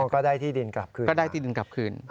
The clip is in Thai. ก็ได้ที่ดินกลับคืนก็ได้ที่ดินกลับคืน